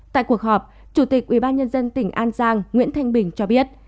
tại cuộc họp chủ tịch ubnd tỉnh an giang nguyễn thanh bình cho biết